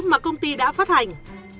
và công ty đã phát hành